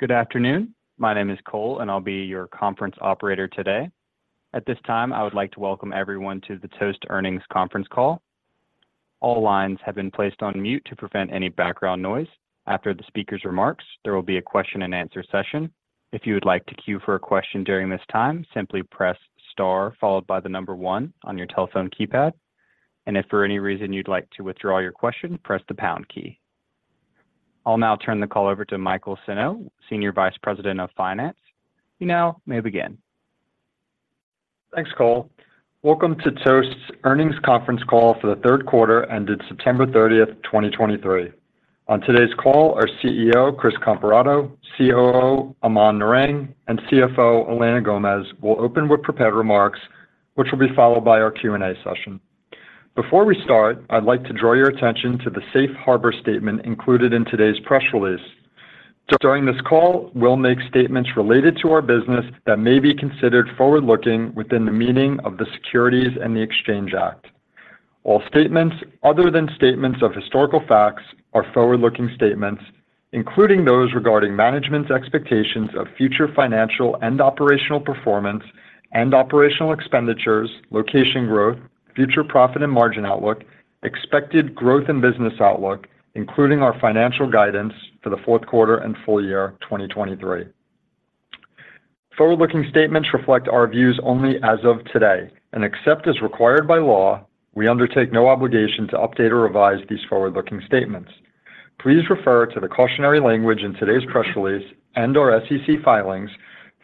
Good afternoon. My name is Cole, and I'll be your conference operator today. At this time, I would like to welcome everyone to the Toast Earnings Conference Call. All lines have been placed on mute to prevent any background noise. After the speaker's remarks, there will be a question-and-answer session. If you would like to queue for a question during this time, simply press Star followed by the number one on your telephone keypad. And if for any reason you'd like to withdraw your question, press the pound key. I'll now turn the call over to Michael Senno, Senior Vice President of Finance. You now may begin. Thanks, Cole. Welcome to Toast's Earnings Conference Call for the Q3 ended September 30, 2023. On today's call, our CEO, Chris Comparato, COO, Aman Narang, and CFO, Elena Gomez, will open with prepared remarks, which will be followed by our Q&A session. Before we start, I'd like to draw your attention to the safe harbor statement included in today's press release. During this call, we'll make statements related to our business that may be considered forward-looking within the meaning of the Securities and the Exchange Act. All statements, other than statements of historical facts, are forward-looking statements, including those regarding management's expectations of future financial and operational performance and operational expenditures, location growth, future profit and margin outlook, expected growth and business outlook, including our financial guidance for the Q4 and full year 2023. Forward-looking statements reflect our views only as of today, and except as required by law, we undertake no obligation to update or revise these forward-looking statements. Please refer to the cautionary language in today's press release and our SEC filings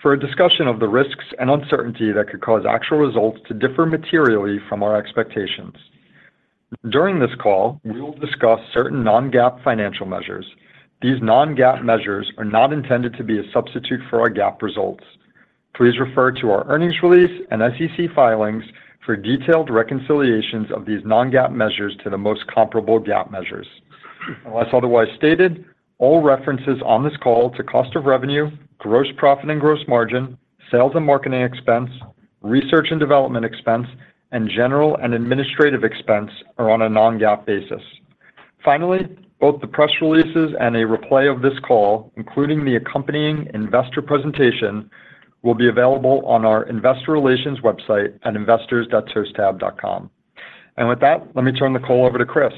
for a discussion of the risks and uncertainty that could cause actual results to differ materially from our expectations. During this call, we will discuss certain non-GAAP financial measures. These non-GAAP measures are not intended to be a substitute for our GAAP results. Please refer to our earnings release and SEC filings for detailed reconciliations of these non-GAAP measures to the most comparable GAAP measures. Unless otherwise stated, all references on this call to cost of revenue, gross profit and gross margin, sales and marketing expense, research and development expense, and general and administrative expense are on a non-GAAP basis. Finally, both the press releases and a replay of this call, including the accompanying investor presentation, will be available on our investor relations website at investors.toasttab.com. With that, let me turn the call over to Chris.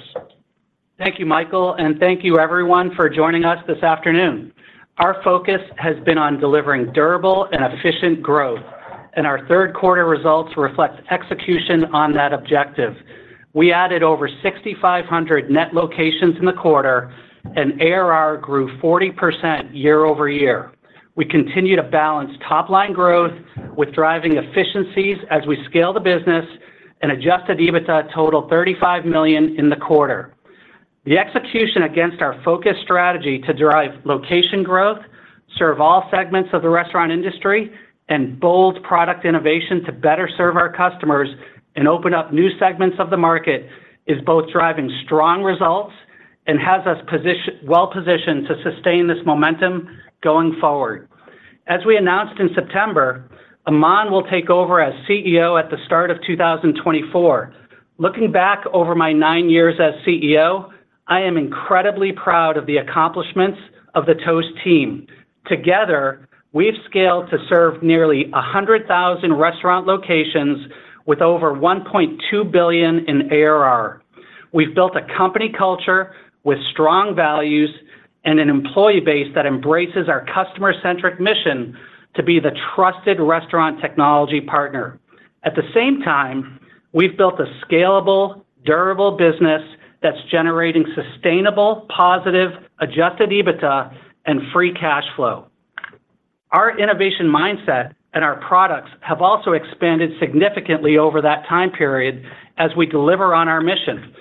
Thank you, Michael, and thank you everyone for joining us this afternoon. Our focus has been on delivering durable and efficient growth, and our Q3 results reflect execution on that objective. We added over 6,500 net locations in the quarter, and ARR grew 40% year-over-year. We continue to balance top-line growth with driving efficiencies as we scale the business, and Adjusted EBITDA totaled $35 million in the quarter. The execution against our focused strategy to drive location growth, serve all segments of the restaurant industry, and bold product innovation to better serve our customers and open up new segments of the market is both driving strong results and has us well-positioned to sustain this momentum going forward. As we announced in September, Aman will take over as CEO at the start of 2024. Looking back over my nine years as CEO, I am incredibly proud of the accomplishments of the Toast team. Together, we've scaled to serve nearly 100,000 restaurant locations with over $1.2 billion in ARR. We've built a company culture with strong values and an employee base that embraces our customer-centric mission to be the trusted restaurant technology partner. At the same time, we've built a scalable, durable business that's generating sustainable, positive, adjusted EBITDA and free cash flow. Our innovation mindset and our products have also expanded significantly over that time period as we deliver on our mission.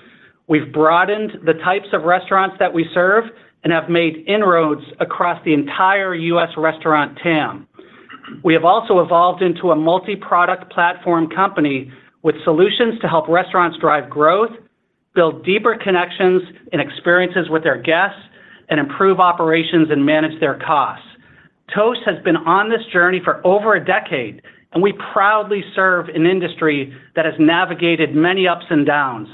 We've broadened the types of restaurants that we serve and have made inroads across the entire US restaurant TAM. We have also evolved into a multi-product platform company with solutions to help restaurants drive growth, build deeper connections and experiences with their guests, and improve operations and manage their costs. Toast has been on this journey for over a decade, and we proudly serve an industry that has navigated many ups and downs.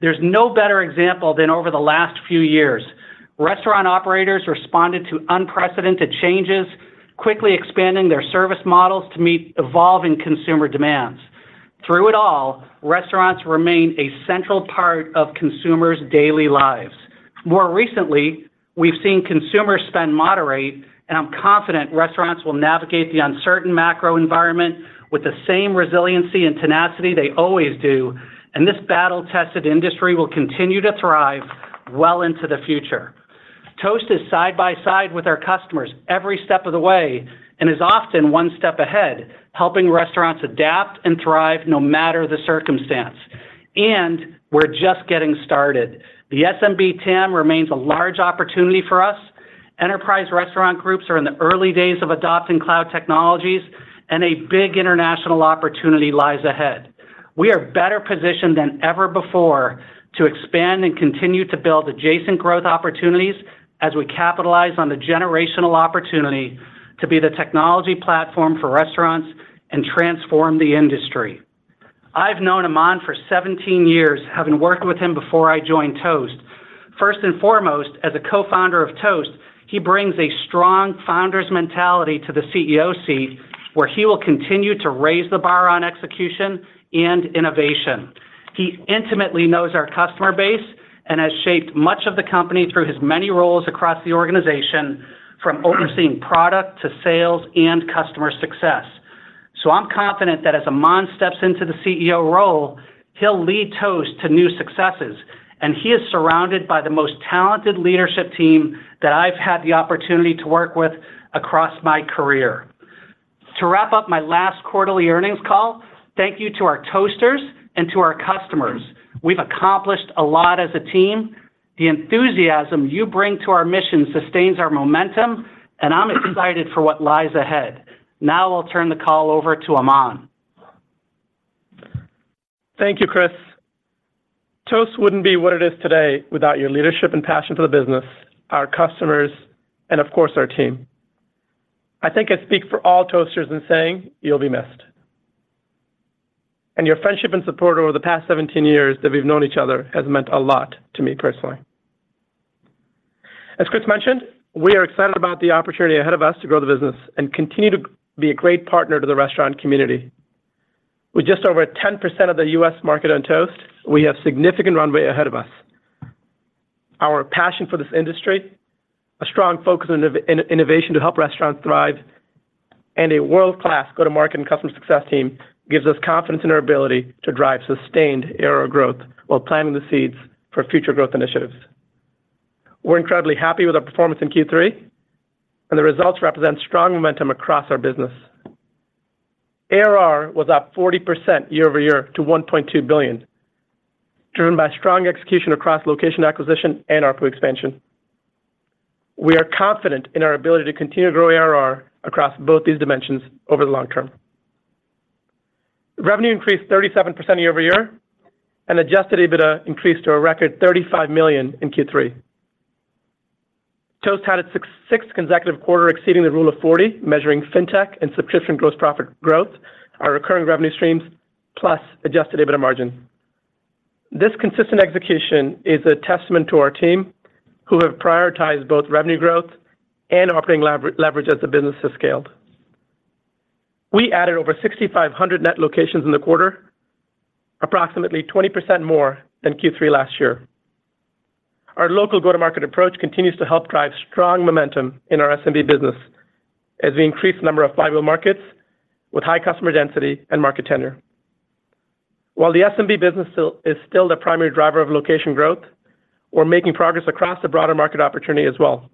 There's no better example than over the last few years. Restaurant operators responded to unprecedented changes, quickly expanding their service models to meet evolving consumer demands. Through it all, restaurants remain a central part of consumers' daily lives. More recently, we've seen consumer spend moderate, and I'm confident restaurants will navigate the uncertain macro environment with the same resiliency and tenacity they always do, and this battle-tested industry will continue to thrive well into the future. Toast is side by side with our customers every step of the way and is often one step ahead, helping restaurants adapt and thrive no matter the circumstance. We're just getting started. The SMB TAM remains a large opportunity for us. Enterprise restaurant groups are in the early days of adopting cloud technologies, and a big international opportunity lies ahead. We are better positioned than ever before to expand and continue to build adjacent growth opportunities as we capitalize on the generational opportunity to be the technology platform for restaurants and transform the industry. I've known Aman for 17 years, having worked with him before I joined Toast. First and foremost, as a co-founder of Toast, he brings a strong founder's mentality to the CEO seat, where he will continue to raise the bar on execution and innovation. He intimately knows our customer base and has shaped much of the company through his many roles across the organization, from overseeing product to sales and customer success. So I'm confident that as Aman steps into the CEO role, he'll lead Toast to new successes, and he is surrounded by the most talented leadership team that I've had the opportunity to work with across my career. To wrap up my last quarterly earnings call, thank you to our Toasters and to our customers. We've accomplished a lot as a team. The enthusiasm you bring to our mission sustains our momentum, and I'm excited for what lies ahead. Now, I'll turn the call over to Aman. Thank you, Chris. Toast wouldn't be what it is today without your leadership and passion for the business, our customers, and of course, our team. I think I speak for all Toasters in saying you'll be missed. And your friendship and support over the past 17 years that we've known each other has meant a lot to me personally. As Chris mentioned, we are excited about the opportunity ahead of us to grow the business and continue to be a great partner to the restaurant community. With just over 10% of the U.S. market on Toast, we have significant runway ahead of us. Our passion for this industry, a strong focus on innovation to help restaurants thrive, and a world-class go-to-market and customer success team gives us confidence in our ability to drive sustained ARR growth while planting the seeds for future growth initiatives. We're incredibly happy with our performance in Q3, and the results represent strong momentum across our business. ARR was up 40% year-over-year to $1.2 billion, driven by strong execution across location acquisition and our quick expansion. We are confident in our ability to continue to grow ARR across both these dimensions over the long term. Revenue increased 37% year-over-year, and Adjusted EBITDA increased to a record $35 million in Q3. Toast had its sixth consecutive quarter exceeding the Rule of 40, measuring fintech and subscription gross profit growth, our recurring revenue streams, plus Adjusted EBITDA margin. This consistent execution is a testament to our team, who have prioritized both revenue growth and operating leverage as the business has scaled. We added over 6,500 net locations in the quarter, approximately 20% more than Q3 last year. Our local go-to-market approach continues to help drive strong momentum in our SMB business as we increase the number of flywheel markets with high customer density and market tenure. While the SMB business still is still the primary driver of location growth, we're making progress across the broader market opportunity as well.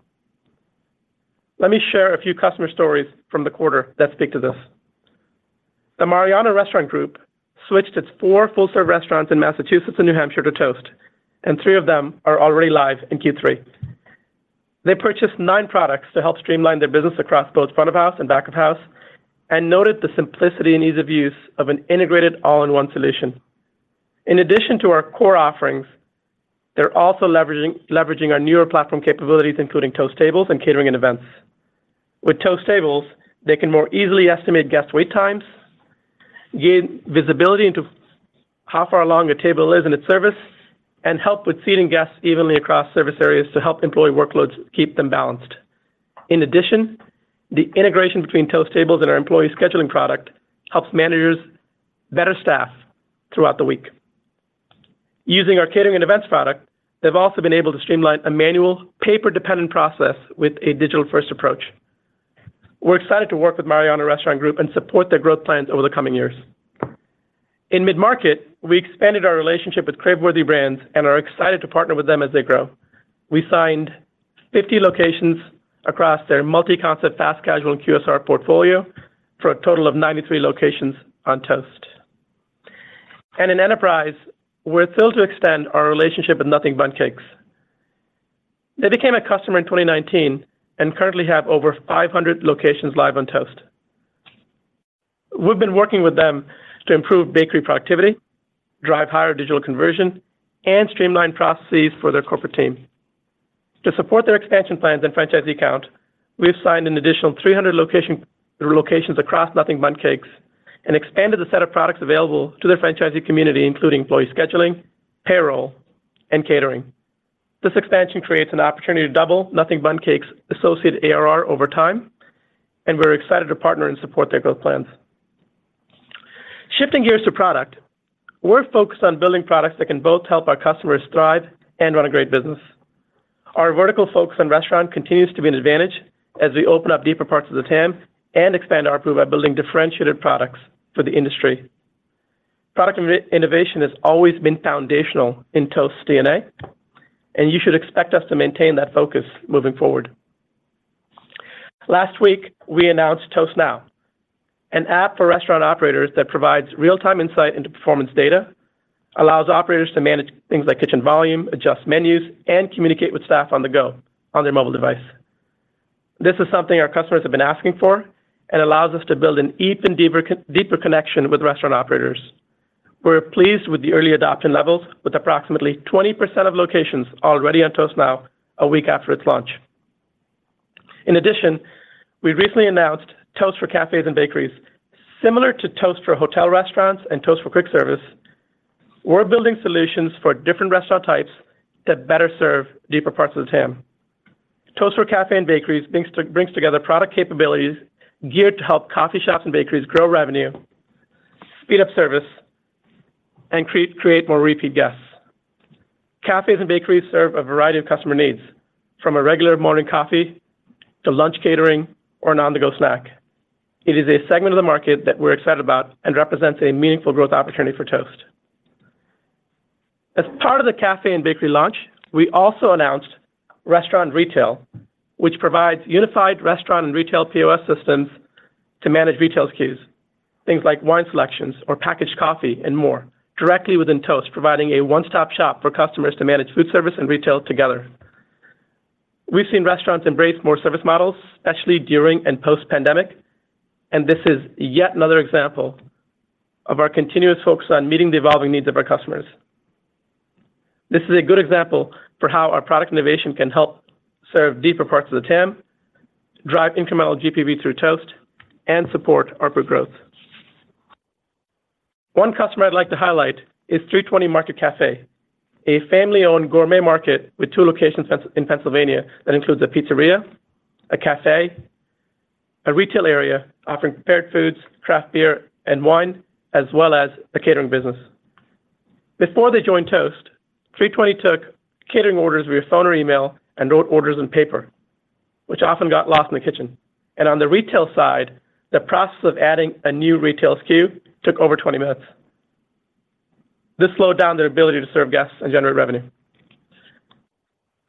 Let me share a few customer stories from the quarter that speak to this. The Mariano Restaurant Group switched its 4 full-service restaurants in Massachusetts and New Hampshire to Toast, and 3 of them are already live in Q3. They purchased 9 products to help streamline their business across both front of house and back of house, and noted the simplicity and ease of use of an integrated all-in-one solution. In addition to our core offerings, they're also leveraging our newer platform capabilities, including Toast Tables and Catering and Events. With Toast Tables, they can more easily estimate guest wait times, gain visibility into how far along a table is in its service, and help with seating guests evenly across service areas to help employee workloads keep them balanced. In addition, the integration between Toast Tables and our employee scheduling product helps managers better staff throughout the week. Using our Catering and Events product, they've also been able to streamline a manual, paper-dependent process with a digital-first approach. We're excited to work with Mariano Restaurant Group and support their growth plans over the coming years. In mid-market, we expanded our relationship with Craveworthy Brands and are excited to partner with them as they grow. We signed 50 locations across their multi-concept, fast casual QSR portfolio for a total of 93 locations on Toast. And in enterprise, we're thrilled to extend our relationship with Nothing Bundt Cakes. They became a customer in 2019 and currently have over 500 locations live on Toast. We've been working with them to improve bakery productivity, drive higher digital conversion, and streamline processes for their corporate team. To support their expansion plans and franchisee count, we've signed an additional 300 locations across Nothing Bundt Cakes and expanded the set of products available to their franchisee community, including employee scheduling, payroll, and catering. This expansion creates an opportunity to double Nothing Bundt Cakes' associated ARR over time, and we're excited to partner and support their growth plans. Shifting gears to product, we're focused on building products that can both help our customers thrive and run a great business. Our vertical focus on restaurant continues to be an advantage as we open up deeper parts of the TAM and expand our pool by building differentiated products for the industry. Product innovation has always been foundational in Toast's DNA, and you should expect us to maintain that focus moving forward. Last week, we announced Toast Now, an app for restaurant operators that provides real-time insight into performance data, allows operators to manage things like kitchen volume, adjust menus, and communicate with staff on the go on their mobile device. This is something our customers have been asking for and allows us to build an even deeper connection with restaurant operators. We're pleased with the early adoption levels, with approximately 20% of locations already on Toast Now a week after its launch. In addition, we recently announced Toast for Cafes and Bakeries, similar to Toast for Hotel Restaurants and Toast for Quick Service. We're building solutions for different restaurant types that better serve deeper parts of the TAM. Toast for Cafes and Bakeries brings together product capabilities geared to help coffee shops and bakeries grow revenue, speed up service, and create more repeat guests. Cafes and bakeries serve a variety of customer needs, from a regular morning coffee to lunch catering or an on-the-go snack. It is a segment of the market that we're excited about and represents a meaningful growth opportunity for Toast. As part of the cafe and bakery launch, we also announced Restaurant Retail, which provides unified restaurant and retail POS systems to manage retail SKUs, things like wine selections or packaged coffee, and more, directly within Toast, providing a one-stop shop for customers to manage food service and retail together. We've seen restaurants embrace more service models, especially during and post-pandemic, and this is yet another example of our continuous focus on meeting the evolving needs of our customers. This is a good example for how our product innovation can help serve deeper parts of the TAM, drive incremental GPV through Toast, and support ARPU growth. One customer I'd like to highlight is 320 Market Cafe, a family-owned gourmet market with two locations in Pennsylvania that includes a pizzeria, a cafe, a retail area offering prepared foods, craft beer, and wine, as well as a catering business. Before they joined Toast, 320 took catering orders via phone or email and wrote orders on paper, which often got lost in the kitchen. And on the retail side, the process of adding a new retail SKU took over 20 minutes. This slowed down their ability to serve guests and generate revenue.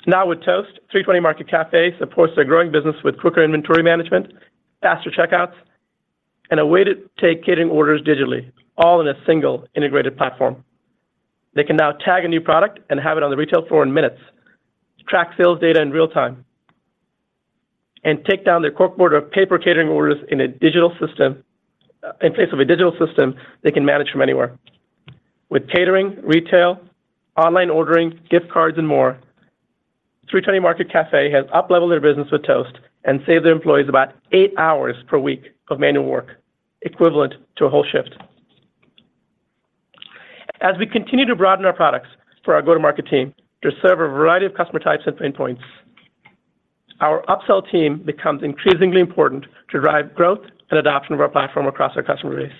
Now with Toast, 320 Market Cafe supports their growing business with quicker inventory management, faster checkouts, and a way to take catering orders digitally, all in a single integrated platform. They can now tag a new product and have it on the retail floor in minutes, track sales data in real time, and take down their corkboard of paper catering orders in a digital system, in place of a digital system they can manage from anywhere. With catering, retail, online ordering, gift cards, and more, 320 Market Cafe has upleveled their business with Toast and saved their employees about eight hours per week of manual work, equivalent to a whole shift. As we continue to broaden our products for our go-to-market team to serve a variety of customer types and pain points, our upsell team becomes increasingly important to drive growth and adoption of our platform across our customer base.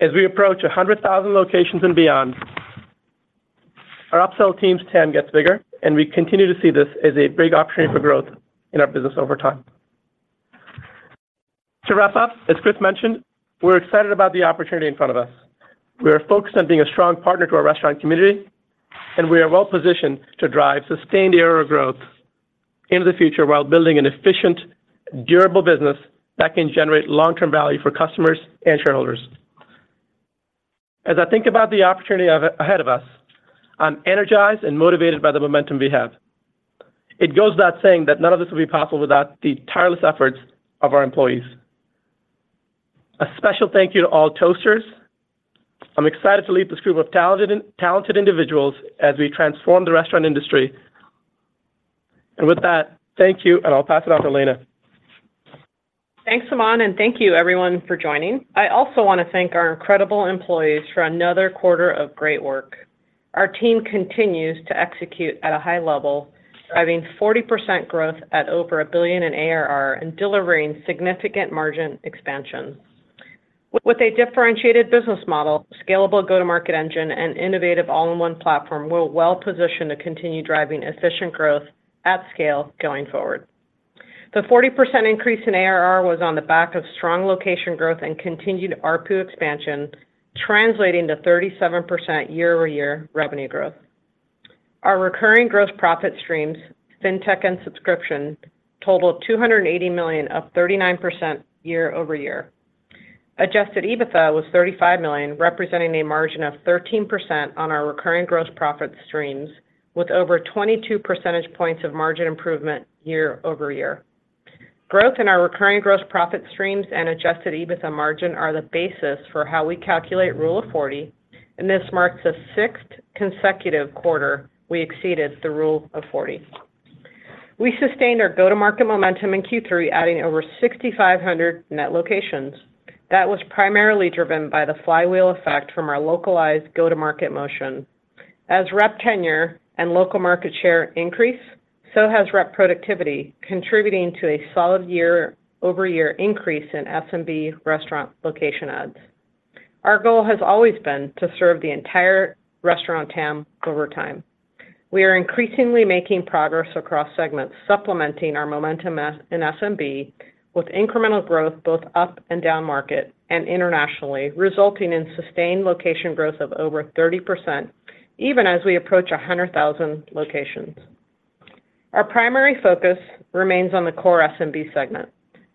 As we approach 100,000 locations and beyond, our upsell team's TAM gets bigger, and we continue to see this as a big opportunity for growth in our business over time. To wrap up, as Chris mentioned, we're excited about the opportunity in front of us. We are focused on being a strong partner to our restaurant community, and we are well positioned to drive sustained year-over-year growth into the future while building an efficient, durable business that can generate long-term value for customers and shareholders. As I think about the opportunity ahead of us, I'm energized and motivated by the momentum we have. It goes without saying that none of this would be possible without the tireless efforts of our employees. A special thank you to all Toasters. I'm excited to lead this group of talented, talented individuals as we transform the restaurant industry. With that, thank you, and I'll pass it off to Elena. Thanks, Aman, and thank you everyone for joining. I also want to thank our incredible employees for another quarter of great work. Our team continues to execute at a high level, driving 40% growth at over 1 billion in ARR and delivering significant margin expansion. With a differentiated business model, scalable go-to-market engine, and innovative all-in-one platform, we're well positioned to continue driving efficient growth at scale going forward. The 40% increase in ARR was on the back of strong location growth and continued ARPU expansion, translating to 37% year-over-year revenue growth. Our recurring gross profit streams, Fintech and Subscription, totaled $280 million, up 39% year-over-year. Adjusted EBITDA was $35 million, representing a margin of 13% on our recurring gross profit streams, with over 22 percentage points of margin improvement year-over-year. Growth in our recurring gross profit streams and Adjusted EBITDA margin are the basis for how we calculate Rule of 40, and this marks the 6th consecutive quarter we exceeded the Rule of 40. We sustained our go-to-market momentum in Q3, adding over 6,500 net locations. That was primarily driven by the flywheel effect from our localized go-to-market motion. As rep tenure and local market share increase, so has rep productivity, contributing to a solid year-over-year increase in SMB restaurant location adds. Our goal has always been to serve the entire restaurant TAM over time. We are increasingly making progress across segments, supplementing our momentum in SMB with incremental growth both up and down market and internationally, resulting in sustained location growth of over 30%, even as we approach 100,000 locations. Our primary focus remains on the core SMB segment.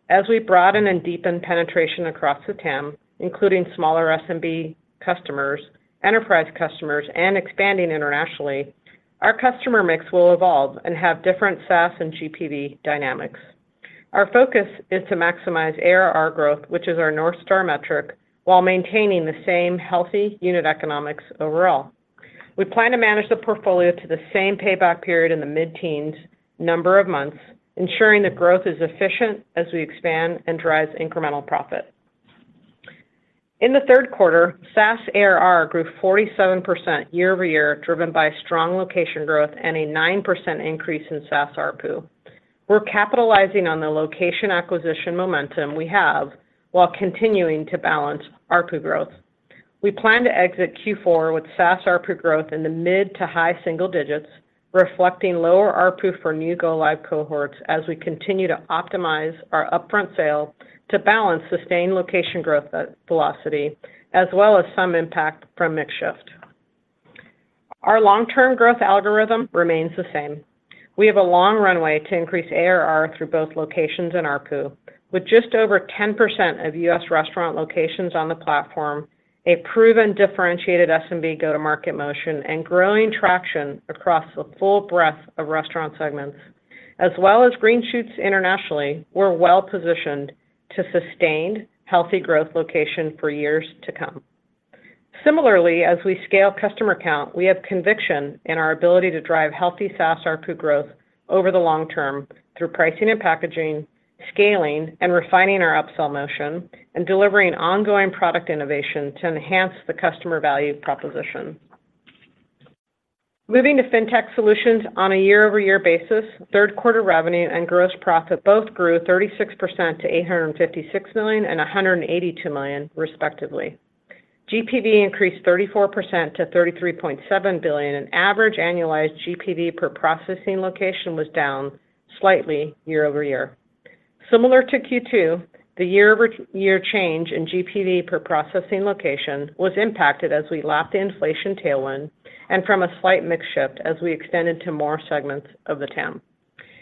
As we broaden and deepen penetration across the TAM, including smaller SMB customers, enterprise customers, and expanding internationally, our customer mix will evolve and have different SaaS and GPV dynamics. Our focus is to maximize ARR growth, which is our North Star metric, while maintaining the same healthy unit economics overall. We plan to manage the portfolio to the same payback period in the mid-teens number of months, ensuring that growth is efficient as we expand and drives incremental profit. In the Q3, SaaS ARR grew 47% year-over-year, driven by strong location growth and a 9% increase in SaaS ARPU. We're capitalizing on the location acquisition momentum we have, while continuing to balance ARPU growth. We plan to exit Q4 with SaaS ARPU growth in the mid to high single digits, reflecting lower ARPU for new go-live cohorts as we continue to optimize our upfront sale to balance sustained location growth, velocity, as well as some impact from mix shift. Our long-term growth algorithm remains the same. We have a long runway to increase ARR through both locations and ARPU. With just over 10% of U.S. restaurant locations on the platform, a proven differentiated SMB go-to-market motion, and growing traction across the full breadth of restaurant segments, as well as green shoots internationally, we're well positioned to sustained, healthy growth location for years to come. Similarly, as we scale customer count, we have conviction in our ability to drive healthy SaaS ARPU growth over the long term through pricing and packaging, scaling and refining our upsell motion, and delivering ongoing product innovation to enhance the customer value proposition. Moving to Fintech solutions on a year-over-year basis, Q3 revenue and gross profit both grew 36% to $856 million and $182 million, respectively. GPV increased 34% to $33.7 billion, and average annualized GPV per processing location was down slightly year-over-year. Similar to Q2, the year-over-year change in GPV per processing location was impacted as we lapped the inflation tailwind and from a slight mix shift as we extended to more segments of the TAM.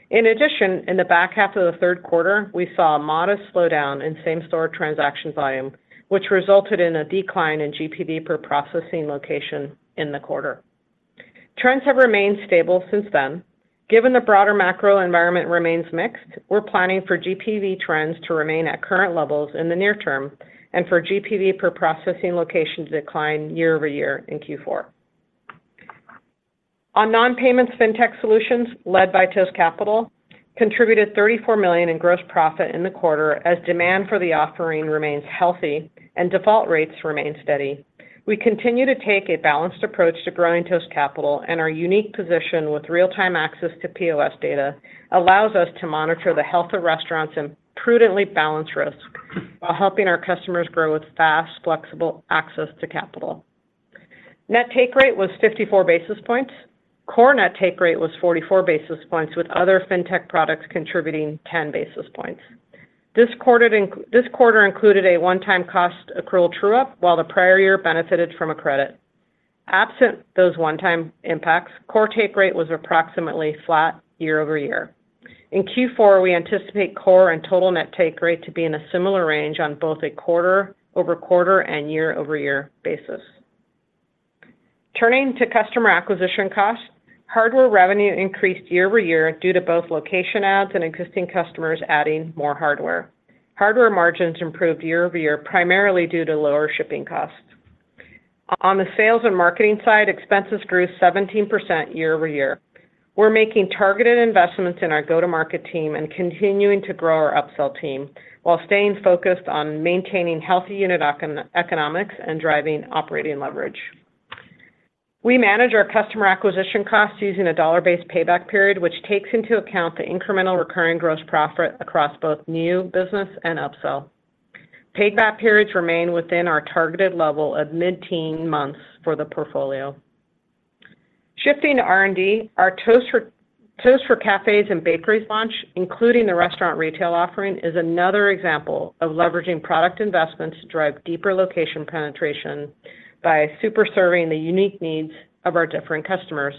In addition, in the back half of the Q3, we saw a modest slowdown in same-store transaction volume, which resulted in a decline in GPV per processing location in the quarter. Trends have remained stable since then. Given the broader macro environment remains mixed, we're planning for GPV trends to remain at current levels in the near term, and for GPV per processing location to decline year over year in Q4. On non-payments, Fintech solutions, led by Toast Capital, contributed $34 million in gross profit in the quarter, as demand for the offering remains healthy and default rates remain steady. We continue to take a balanced approach to growing Toast Capital, and our unique position with real-time access to POS data allows us to monitor the health of restaurants and prudently balance risk, while helping our customers grow with fast, flexible access to capital. Net take rate was 54 basis points. Core net take rate was 44 basis points, with other Fintech products contributing 10 basis points. This quarter included a one-time cost accrual true-up, while the prior year benefited from a credit. Absent those one-time impacts, core take rate was approximately flat year-over-year. In Q4, we anticipate core and total net take rate to be in a similar range on both a quarter-over-quarter and year-over-year basis. Turning to customer acquisition costs, hardware revenue increased year-over-year due to both location adds and existing customers adding more hardware. Hardware margins improved year-over-year, primarily due to lower shipping costs. On the sales and marketing side, expenses grew 17% year-over-year. We're making targeted investments in our go-to-market team and continuing to grow our upsell team, while staying focused on maintaining healthy unit economics and driving operating leverage. We manage our customer acquisition costs using a dollar-based payback period, which takes into account the incremental recurring gross profit across both new business and upsell. Payback periods remain within our targeted level of mid-teen months for the portfolio. Shifting to R&D, our Toast for Cafes and Bakeries launch, including the Restaurant Retail offering, is another example of leveraging product investments to drive deeper location penetration by super serving the unique needs of our different customers.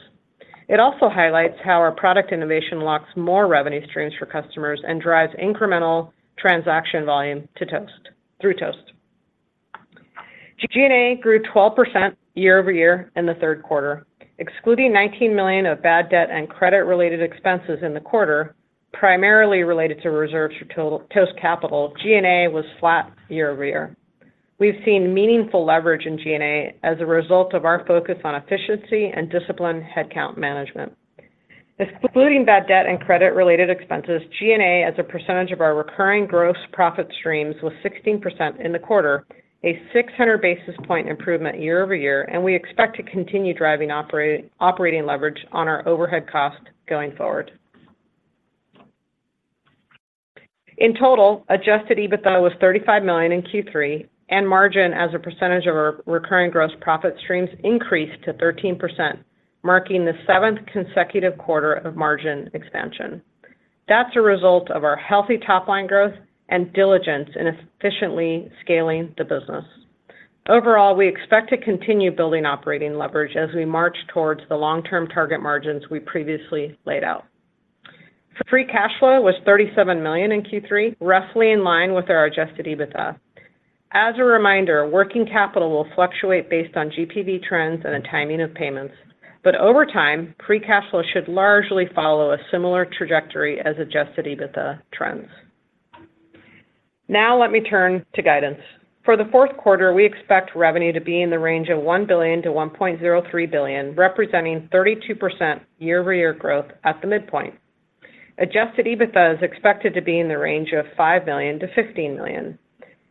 It also highlights how our product innovation locks more revenue streams for customers and drives incremental transaction volume to Toast through Toast. G&A grew 12% year-over-year in the Q3, excluding $19 million of bad debt and credit-related expenses in the quarter, primarily related to reserves for Toast Capital. G&A was flat year-over-year. We've seen meaningful leverage in G&A as a result of our focus on efficiency and disciplined headcount management. Excluding bad debt and credit-related expenses, G&A, as a percentage of our recurring gross profit streams, was 16% in the quarter, a 600 basis point improvement year-over-year, and we expect to continue driving operating leverage on our overhead costs going forward. In total, Adjusted EBITDA was $35 million in Q3, and margin as a percentage of our recurring gross profit streams increased to 13%, marking the seventh consecutive quarter of margin expansion. That's a result of our healthy top-line growth and diligence in efficiently scaling the business. Overall, we expect to continue building operating leverage as we march towards the long-term target margins we previously laid out. Free cash flow was $37 million in Q3, roughly in line with our adjusted EBITDA. As a reminder, working capital will fluctuate based on GPV trends and the timing of payments, but over time, free cash flow should largely follow a similar trajectory as adjusted EBITDA trends. Now let me turn to guidance. For the Q4, we expect revenue to be in the range of $1 billion-$1.03 billion, representing 32% year-over-year growth at the midpoint. Adjusted EBITDA is expected to be in the range of $5 million-$15 million.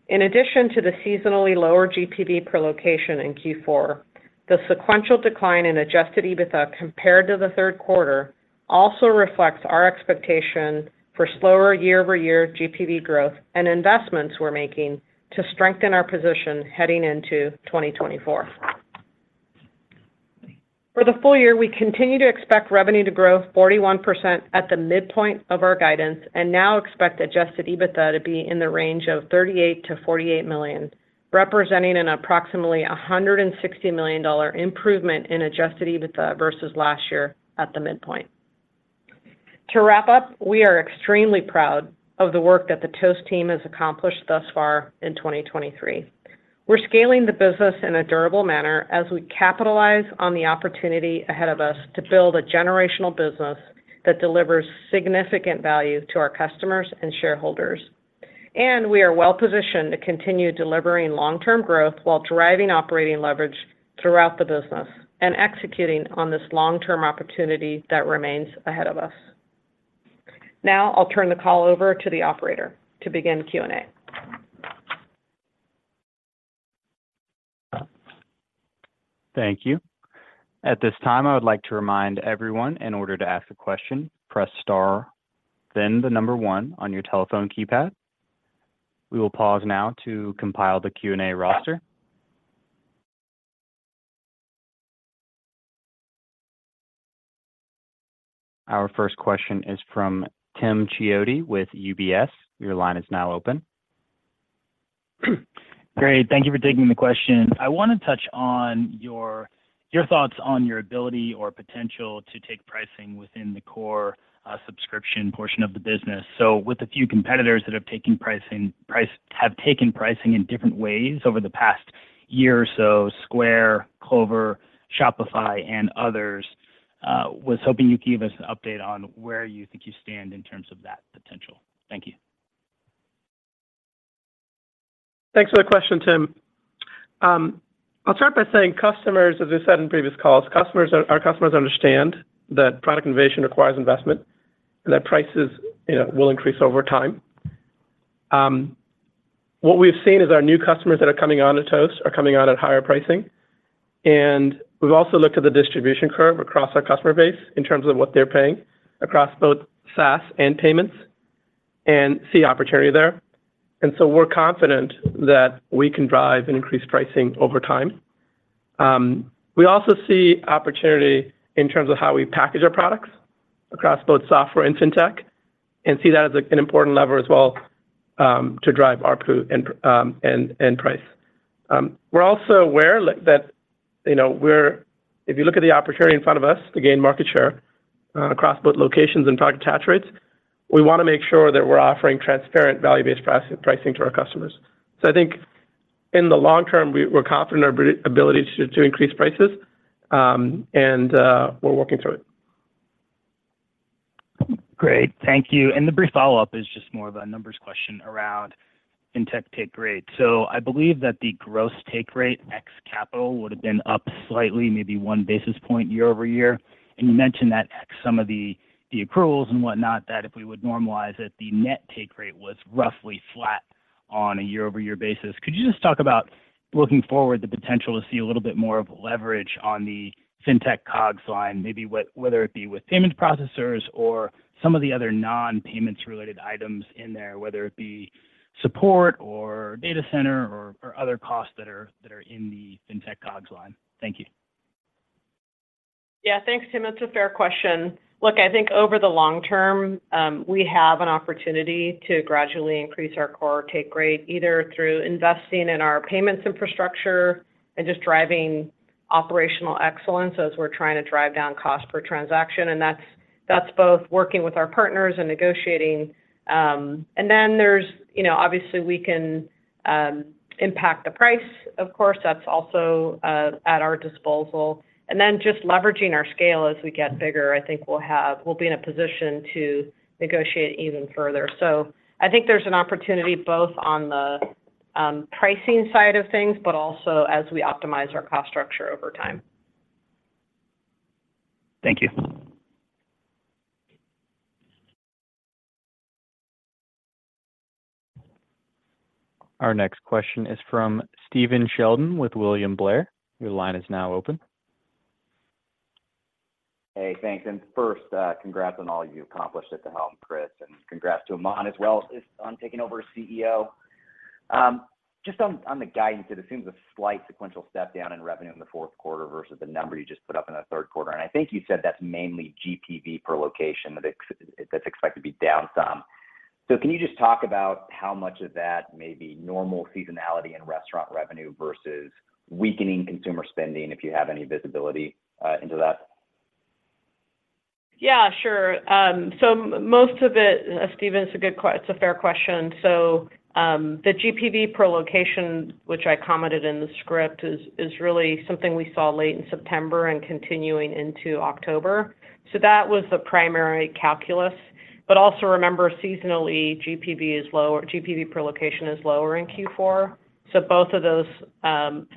In addition to the seasonally lower GPV per location in Q4, the sequential decline in Adjusted EBITDA compared to the Q3 also reflects our expectation for slower year-over-year GPV growth and investments we're making to strengthen our position heading into 2024. For the full year, we continue to expect revenue to grow 41% at the midpoint of our guidance, and now expect Adjusted EBITDA to be in the range of $38 million-$48 million, representing an approximately $160 million improvement in Adjusted EBITDA versus last year at the midpoint. To wrap up, we are extremely proud of the work that the Toast team has accomplished thus far in 2023. We're scaling the business in a durable manner as we capitalize on the opportunity ahead of us to build a generational business that delivers significant value to our customers and shareholders. We are well-positioned to continue delivering long-term growth while driving operating leverage throughout the business and executing on this long-term opportunity that remains ahead of us. Now, I'll turn the call over to the operator to begin Q&A. Thank you. At this time, I would like to remind everyone, in order to ask a question, press star, then the number one on your telephone keypad. We will pause now to compile the Q&A roster. Our first question is from Tim Chiodo with UBS. Your line is now open. Great. Thank you for taking the question. I want to touch on your thoughts on your ability or potential to take pricing within the core subscription portion of the business. So with a few competitors that have taken pricing in different ways over the past year or so, Square, Clover, Shopify, and others, was hoping you could give us an update on where you think you stand in terms of that potential. Thank you. Thanks for the question, Tim. I'll start by saying customers, as I said in previous calls, customers, our customers understand that product innovation requires investment, and that prices, you know, will increase over time. What we've seen is our new customers that are coming on to Toast are coming on at higher pricing. And we've also looked at the distribution curve across our customer base in terms of what they're paying across both SaaS and payments, and see opportunity there. And so we're confident that we can drive and increase pricing over time. We also see opportunity in terms of how we package our products across both software and fintech, and see that as an important lever as well, to drive ARPU and price. We're also aware that, you know, we're—if you look at the opportunity in front of us to gain market share, across both locations and target attach rates, we want to make sure that we're offering transparent, value-based pricing to our customers. So I think in the long term, we're confident in our ability to increase prices, and we're working through it. Great. Thank you. And the brief follow-up is just more of a numbers question around Fintech take rate. So I believe that the gross take rate ex capital would have been up slightly, maybe one basis point year-over-year. And you mentioned that ex some of the accruals and whatnot, that if we would normalize it, the net take rate was roughly flat on a year-over-year basis. Could you just talk about, looking forward, the potential to see a little bit more of leverage on the Fintech COGS line, maybe whether it be with payment processors or some of the other non-payment-related items in there, whether it be support or data center or other costs that are in the Fintech COGS line? Thank you. Yeah, thanks, Tim. That's a fair question. Look, I think over the long term, we have an opportunity to gradually increase our core take rate, either through investing in our payments infrastructure and just driving operational excellence as we're trying to drive down cost per transaction. And that's, that's both working with our partners and negotiating. And then there's, you know, obviously, we can impact the price, of course, that's also at our disposal. And then just leveraging our scale as we get bigger, I think we'll be in a position to negotiate even further. So I think there's an opportunity both on the pricing side of things, but also as we optimize our cost structure over time. Thank you. Our next question is from Stephen Sheldon, with William Blair. Your line is now open. Hey, thanks. First, congrats on all you accomplished at the helm, Chris, and congrats to Aman as well on taking over as CEO. Just on the guidance, it seems a slight sequential step down in revenue in the Q4 versus the number you just put up in the Q3. And I think you said that's mainly GPV per location, that's expected to be down some. So can you just talk about how much of that may be normal seasonality in restaurant revenue versus weakening consumer spending, if you have any visibility into that? ... Yeah, sure. So most of it, Steven, it's a good—it's a fair question. So, the GPV per location, which I commented in the script, is, is really something we saw late in September and continuing into October. So that was the primary calculus. But also remember, seasonally, GPV is lower, GPV per location is lower in Q4, so both of those,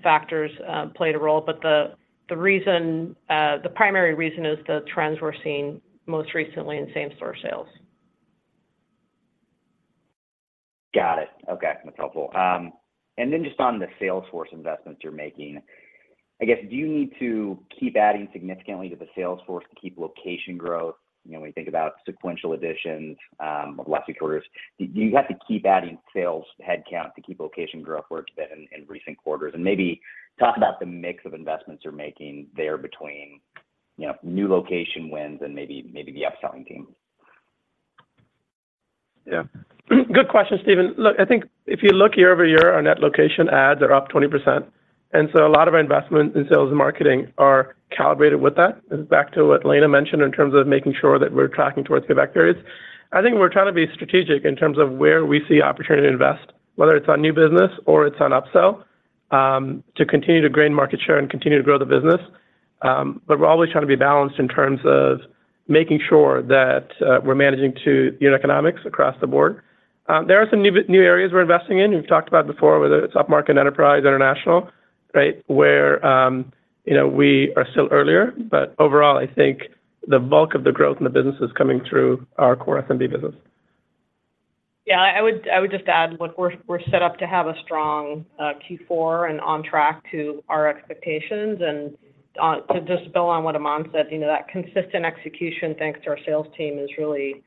factors, played a role. But the, the primary reason is the trends we're seeing most recently in same-store sales. Got it. Okay, that's helpful. And then just on the sales force investments you're making, I guess, do you need to keep adding significantly to the sales force to keep location growth? You know, when you think about sequential additions, the last few quarters, do you have to keep adding sales headcount to keep location growth where it's been in recent quarters? And maybe talk about the mix of investments you're making there between, you know, new location wins and maybe the upselling teams. Yeah. Good question, Steven. Look, I think if you look year-over-year, our net location adds are up 20%, and so a lot of our investment in sales and marketing are calibrated with that. Back to what Elena mentioned in terms of making sure that we're tracking towards payback periods. I think we're trying to be strategic in terms of where we see opportunity to invest, whether it's on new business or it's on upsell to continue to gain market share and continue to grow the business. But we're always trying to be balanced in terms of making sure that we're managing to unit economics across the board. There are some new areas we're investing in. We've talked about before, whether it's upmarket, enterprise, international, right? Where, you know, we are still earlier, but overall, I think the bulk of the growth in the business is coming through our core SMB business. Yeah, I would, I would just add, look, we're, we're set up to have a strong Q4 and on track to our expectations. And on-- to just build on what Aman said, you know, that consistent execution, thanks to our sales team, is really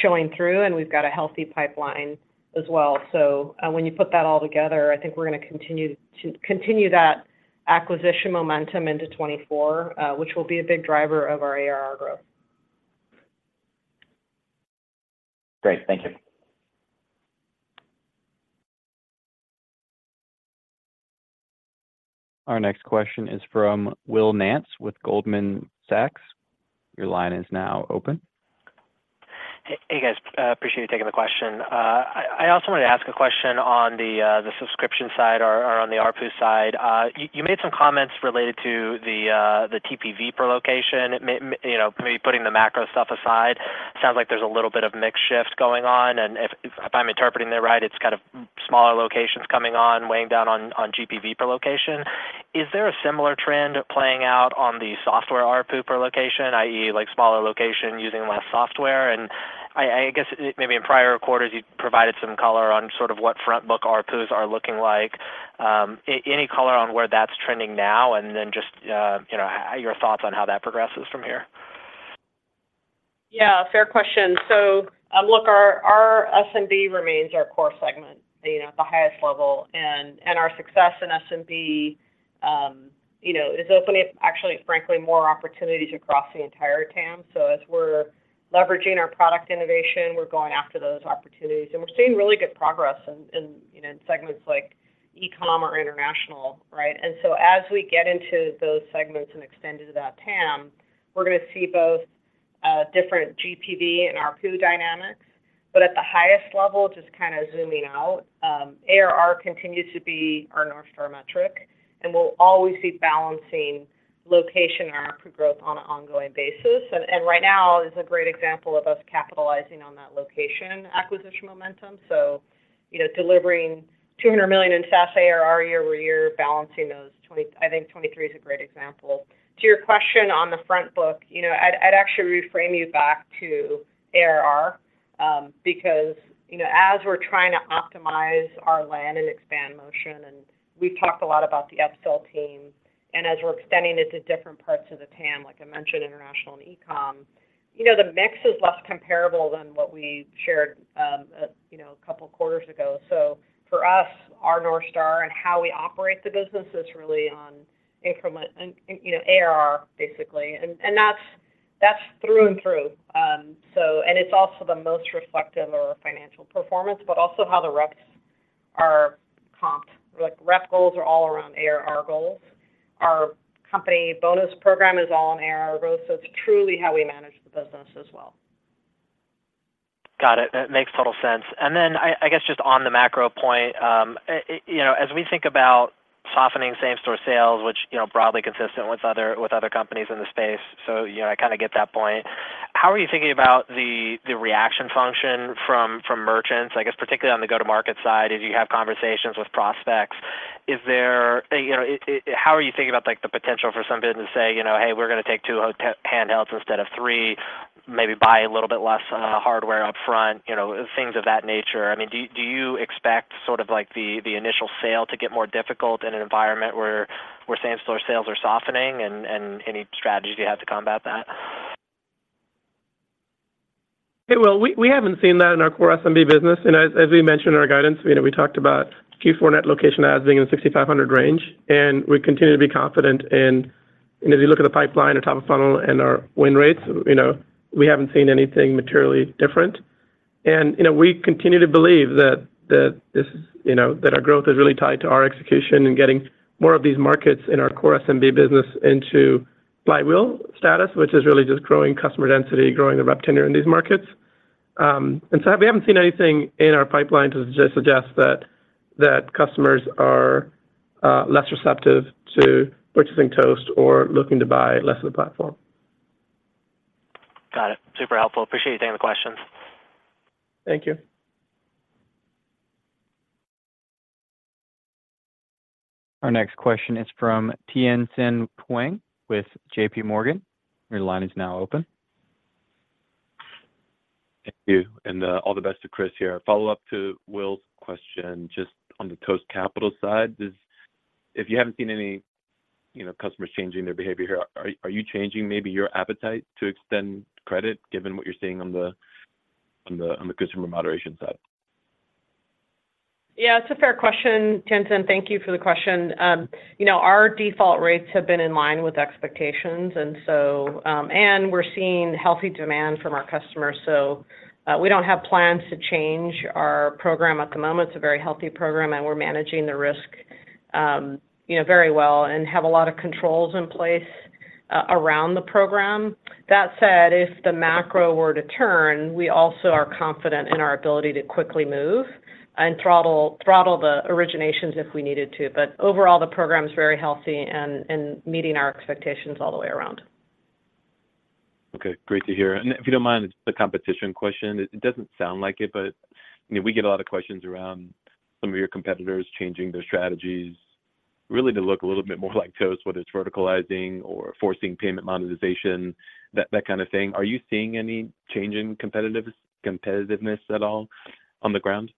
showing through, and we've got a healthy pipeline as well. So when you put that all together, I think we're gonna continue to, to continue that acquisition momentum into 2024, which will be a big driver of our ARR growth. Great. Thank you. Our next question is from Will Nance with Goldman Sachs. Your line is now open. Hey, guys. Appreciate you taking the question. I also wanted to ask a question on the subscription side or on the ARPU side. You made some comments related to the TPV per location. You know, maybe putting the macro stuff aside, sounds like there's a little bit of mix shift going on, and if I'm interpreting that right, it's kind of smaller locations coming on, weighing down on GPV per location. Is there a similar trend playing out on the software ARPU per location, i.e., like smaller location using less software? And I guess maybe in prior quarters, you provided some color on sort of what front book ARPUs are looking like. Any color on where that's trending now, and then just, you know, your thoughts on how that progresses from here? Yeah, fair question. So, look, our SMB remains our core segment, you know, at the highest level, and our success in SMB, you know, is opening up, actually, frankly, more opportunities across the entire TAM. So as we're leveraging our product innovation, we're going after those opportunities, and we're seeing really good progress in you know in segments like e-com or international, right? And so as we get into those segments and extend into that TAM, we're gonna see both different GPV and ARPU dynamics. But at the highest level, just kind of zooming out, ARR continues to be our North Star metric, and we'll always be balancing location and ARPU growth on an ongoing basis. And right now is a great example of us capitalizing on that location acquisition momentum. So, you know, delivering 200 million in SaaS ARR year-over-year, balancing those 20... I think 23 is a great example. To your question on the front book, you know, I'd, I'd actually reframe you back to ARR, because, you know, as we're trying to optimize our land and expand motion, and we've talked a lot about the upsell team, and as we're extending it to different parts of the TAM, like I mentioned, international and e-com, you know, the mix is less comparable than what we shared, you know, a couple quarters ago. So for us, our North Star and how we operate the business is really on increment and, you know, ARR, basically, and, and that's, that's through and through. So and it's also the most reflective of our financial performance, but also how the reps are comped. Like, rep goals are all around ARR goals. Our company bonus program is all on ARR growth, so it's truly how we manage the business as well. Got it. That makes total sense. And then I guess, just on the macro point, as we think about softening same-store sales, which, you know, broadly consistent with other companies in the space, so, you know, I kind of get that point. How are you thinking about the reaction function from merchants, I guess, particularly on the go-to-market side, as you have conversations with prospects? Is there, you know, how are you thinking about, like, the potential for some business to say, you know, "Hey, we're going take two handhelds instead of three, maybe buy a little bit less hardware upfront," you know, things of that nature? I mean, do you expect sort of like, the initial sale to get more difficult in an environment where same-store sales are softening, and any strategies you have to combat that? Hey, Will, we haven't seen that in our core SMB business, and as we mentioned in our guidance, you know, we talked about Q4 net location adds being in the 6,500 range, and we continue to be confident. And, you know, as you look at the pipeline or top of funnel and our win rates, you know, we haven't seen anything materially different. And, you know, we continue to believe that this, you know, that our growth is really tied to our execution and getting more of these markets in our core SMB business into flywheel status, which is really just growing customer density, growing the rep tenure in these markets. And so we haven't seen anything in our pipeline to suggest that customers are less receptive to purchasing Toast or looking to buy less of the platform. Got it. Super helpful. Appreciate you taking the questions. Thank you. Our next question is from Tien-Tsin Huang with JP Morgan. Your line is now open. Thank you, and, all the best to Chris here. A follow-up to Will's question, just on the Toast Capital side. Does—if you haven't seen any, you know, customers changing their behavior here, are you changing maybe your appetite to extend credit, given what you're seeing on the customer moderation side? Yeah, it's a fair question, Tien-Tsin. Thank you for the question. You know, our default rates have been in line with expectations, and so, and we're seeing healthy demand from our customers, so we don't have plans to change our program at the moment. It's a very healthy program, and we're managing the risk, you know, very well and have a lot of controls in place around the program. That said, if the macro were to turn, we also are confident in our ability to quickly move and throttle the originations if we needed to. But overall, the program is very healthy and meeting our expectations all the way around. Okay, great to hear. And if you don't mind, just a competition question. It doesn't sound like it, but, you know, we get a lot of questions around some of your competitors changing their strategies, really to look a little bit more like Toast, whether it's verticalizing or forcing payment monetization, that kind of thing. Are you seeing any change in competitiveness at all on the ground?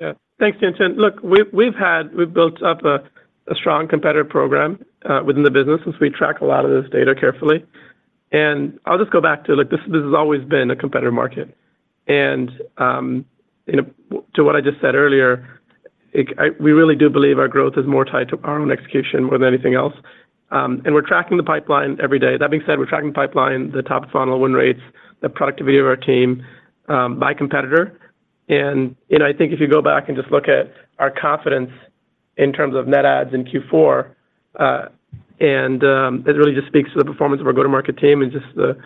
Yeah. Thanks, Tien-Tsin. Look, we've built up a strong competitive program within the business since we track a lot of this data carefully. And I'll just go back to, look, this has always been a competitive market. And, you know, to what I just said earlier, it, we really do believe our growth is more tied to our own execution than anything else, and we're tracking the pipeline every day. That being said, we're tracking the pipeline, the top-of-funnel win rates, the productivity of our team by competitor. And, you know, I think if you go back and just look at our confidence in terms of net adds in Q4, and it really just speaks to the performance of our go-to-market team and just the,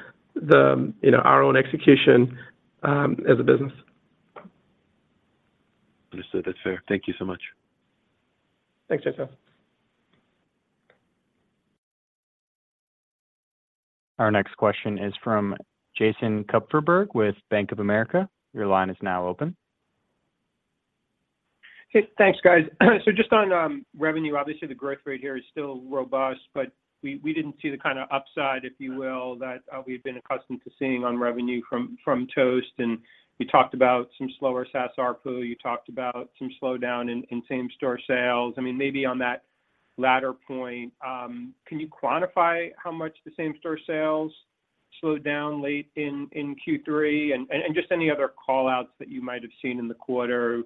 you know, our own execution as a business. Understood. That's fair. Thank you so much. Thanks, Tien-Tsin. Our next question is from Jason Kupferberg with Bank of America. Your line is now open. Hey, thanks, guys. So just on revenue, obviously, the growth rate here is still robust, but we didn't see the kind of upside, if you will, that we've been accustomed to seeing on revenue from Toast. And you talked about some slower SaaS ARPU, you talked about some slowdown in same-store sales. I mean, maybe on that latter point, can you quantify how much the same-store sales slowed down late in Q3? And just any other call-outs that you might have seen in the quarter,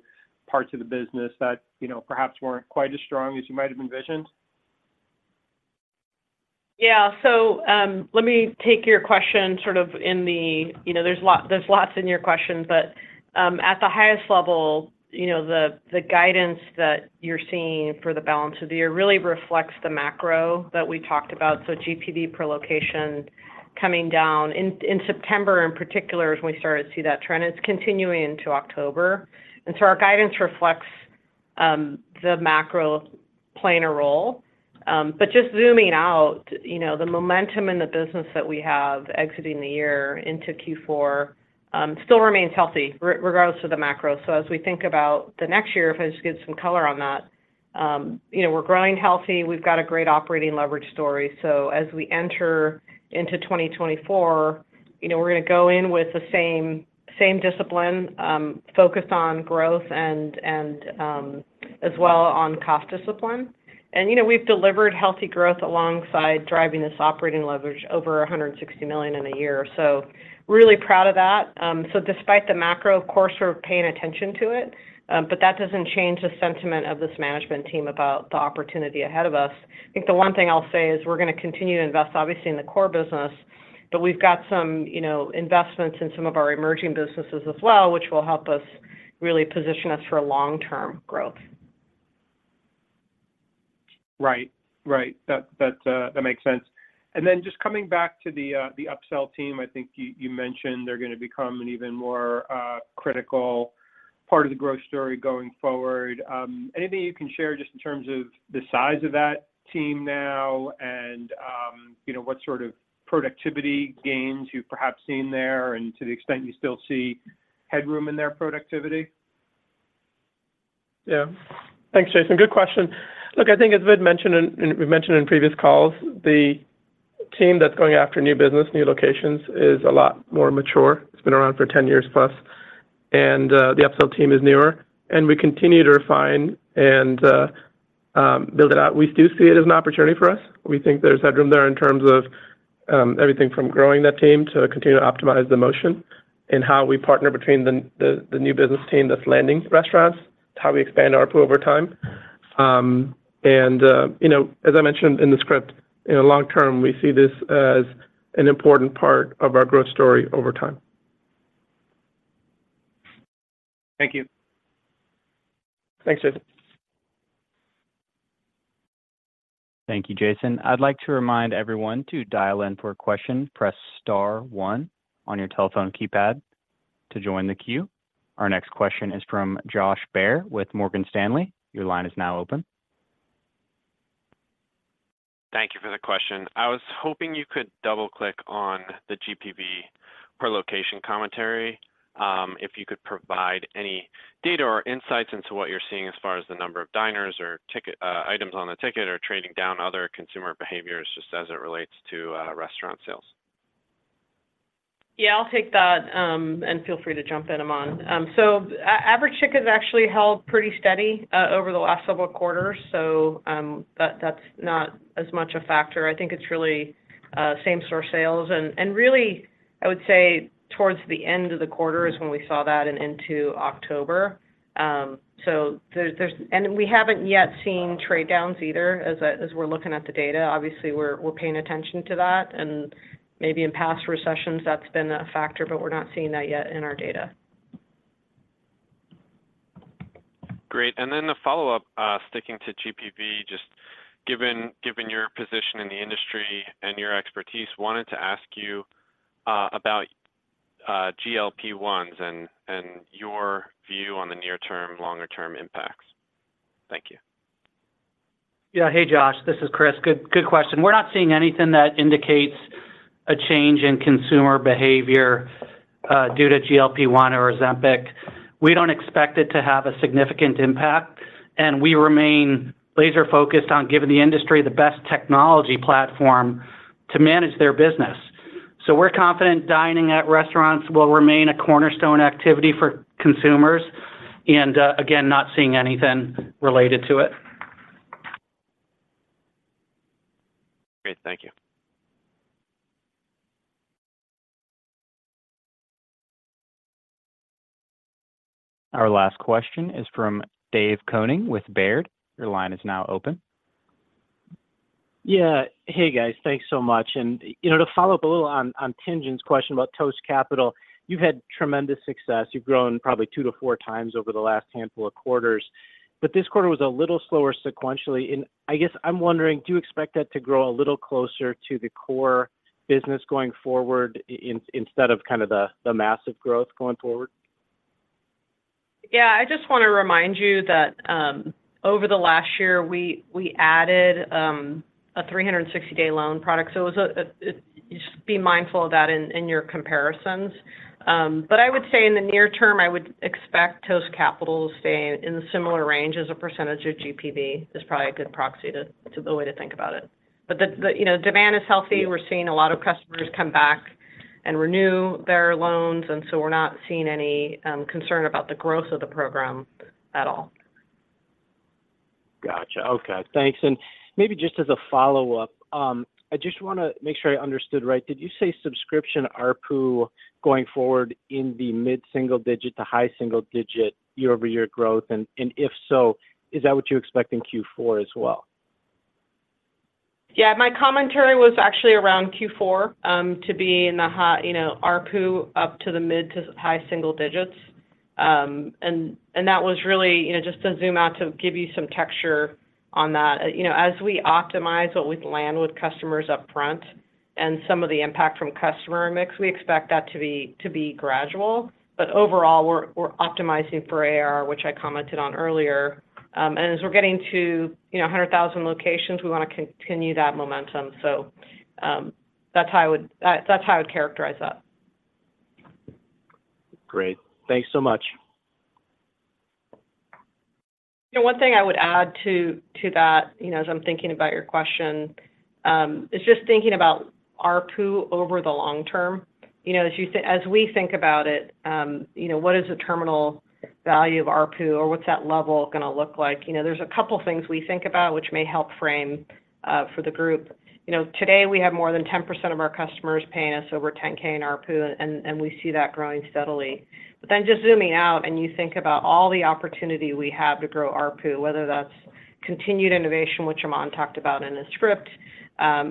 parts of the business that, you know, perhaps weren't quite as strong as you might have envisioned? Yeah. So, let me take your question sort of in the—you know, there's lots in your question, but, at the highest level, you know, the guidance that you're seeing for the balance of the year really reflects the macro that we talked about, so GPV per location coming down. In September, in particular, is when we started to see that trend, it's continuing into October, and so our guidance reflects the macro playing a role. But just zooming out, you know, the momentum in the business that we have exiting the year into Q4 still remains healthy, regardless of the macro. So as we think about the next year, if I just give some color on that, you know, we're growing healthy, we've got a great operating leverage story. So as we enter into 2024, you know, we're going to go in with the same, same discipline, focused on growth and, and, as well on cost discipline. And, you know, we've delivered healthy growth alongside driving this operating leverage over $160 million in a year. So really proud of that. So despite the macro, of course, we're paying attention to it, but that doesn't change the sentiment of this management team about the opportunity ahead of us. I think the one thing I'll say is we're going to continue to invest, obviously, in the core business, but we've got some, you know, investments in some of our emerging businesses as well, which will help us really position us for a long-term growth. Right. Right. That, that, that makes sense. And then just coming back to the, the upsell team, I think you, you mentioned they're going to become an even more, critical part of the growth story going forward. Anything you can share just in terms of the size of that team now and, you know, what sort of productivity gains you've perhaps seen there, and to the extent you still see headroom in their productivity? Yeah. Thanks, Jason. Good question. Look, I think as we've mentioned in, we've mentioned in previous calls, the team that's going after new business, new locations, is a lot more mature. It's been around for 10 years plus, and the upsell team is newer, and we continue to refine and build it out. We do see it as an opportunity for us. We think there's headroom there in terms of everything from growing that team to continue to optimize the motion and how we partner between the new business team that's landing restaurants, how we expand ARPU over time. You know, as I mentioned in the script, in the long term, we see this as an important part of our growth story over time. Thank you. Thanks, Jason. Thank you, Jason. I'd like to remind everyone to dial in for a question. Press star one on your telephone keypad to join the queue. Our next question is from Josh Baer with Morgan Stanley. Your line is now open. Thank you for the question. I was hoping you could double-click on the GPV per location commentary, if you could provide any data or insights into what you're seeing as far as the number of diners or ticket items on the ticket or trading down other consumer behaviors just as it relates to restaurant sales. Yeah, I'll take that, and feel free to jump in, Aman. So average ticket has actually held pretty steady over the last several quarters, so that's not as much a factor. I think it's really same-store sales. Really, I would say towards the end of the quarter is when we saw that and into October. So there's-- and we haven't yet seen trade downs either, as we're looking at the data. Obviously, we're paying attention to that, and maybe in past recessions, that's been a factor, but we're not seeing that yet in our data. Great. And then the follow-up, sticking to GPV, just given your position in the industry and your expertise, wanted to ask you about GLP-1s and your view on the near-term, longer-term impacts. Thank you. Yeah. Hey, Josh, this is Chris. Good, good question. We're not seeing anything that indicates a change in consumer behavior due to GLP-1 or Ozempic. We don't expect it to have a significant impact, and we remain laser-focused on giving the industry the best technology platform to manage their business. So we're confident dining at restaurants will remain a cornerstone activity for consumers, and again, not seeing anything related to it. Great. Thank you. Our last question is from Dave Koning with Baird. Your line is now open. Yeah. Hey, guys. Thanks so much. You know, to follow up a little on Tien-Tsin's question about Toast Capital, you've had tremendous success. You've grown probably 2-4 times over the last handful of quarters, but this quarter was a little slower sequentially. And I guess I'm wondering, do you expect that to grow a little closer to the core business going forward instead of kind of the massive growth going forward? Yeah, I just want to remind you that, over the last year, we added a 360-day loan product, so it was just be mindful of that in your comparisons. But I would say in the near term, I would expect Toast Capital to stay in a similar range as a percentage of GPV, is probably a good proxy to the way to think about it. But the you know demand is healthy. We're seeing a lot of customers come back and renew their loans, and so we're not seeing any concern about the growth of the program at all. Gotcha. Okay, thanks. And maybe just as a follow-up, I just want to make sure I understood right. Did you say subscription ARPU going forward in the mid-single digit to high single digit year-over-year growth? And if so, is that what you expect in Q4 as well? Yeah, my commentary was actually around Q4, to be in the high, you know, ARPU, up to the mid- to high single digits. And that was really, you know, just to zoom out, to give you some texture on that. You know, as we optimize what we land with customers upfront and some of the impact from customer mix, we expect that to be gradual. But overall, we're optimizing for ARR, which I commented on earlier. And as we're getting to, you know, 100,000 locations, we want to continue that momentum. So, that's how I would characterize that. Great. Thanks so much. You know, one thing I would add to that, you know, as I'm thinking about your question, is just thinking about ARPU over the long term. You know, as we think about it, you know, what is the terminal value of ARPU, or what's that level going to look like? You know, there's a couple things we think about which may help frame for the group. You know, today we have more than 10% of our customers paying us over 10K in ARPU, and we see that growing steadily. But then just zooming out, and you think about all the opportunity we have to grow ARPU, whether that's continued innovation, which Aman talked about in his script,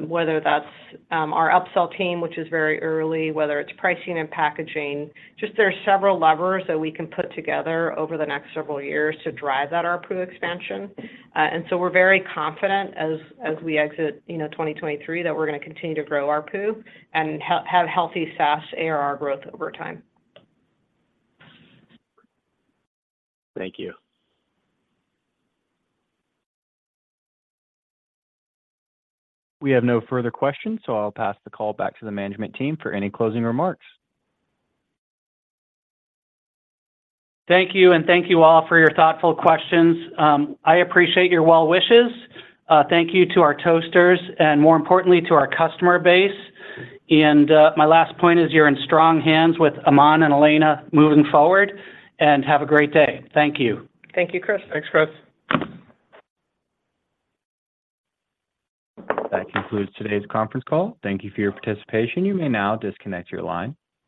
whether that's our upsell team, which is very early, whether it's pricing and packaging. Just, there are several levers that we can put together over the next several years to drive that ARPU expansion. And so we're very confident as we exit, you know, 2023, that we're gonna continue to grow ARPU and have healthy SaaS ARR growth over time. Thank you. We have no further questions, so I'll pass the call back to the management team for any closing remarks. Thank you, and thank you all for your thoughtful questions. I appreciate your well wishes. Thank you to our Toasters and, more importantly, to our customer base. My last point is, you're in strong hands with Aman and Elena moving forward. Have a great day. Thank you. Thank you, Chris. Thanks, Chris. That concludes today's conference call. Thank you for your participation. You may now disconnect your line.